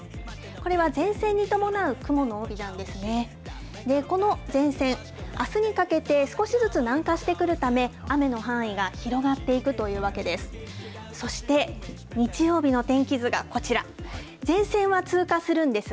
この前線、あすにかけて、少しずつ南下してくるため、雨の範囲が広がっていくというわけです。